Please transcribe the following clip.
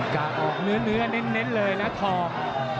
กะออกเนื้อเน้นเลยนะทอง